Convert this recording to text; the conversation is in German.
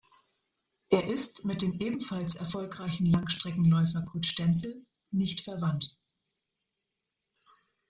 Er ist mit dem ebenfalls erfolgreichen Langstreckenläufer Kurt Stenzel nicht verwandt.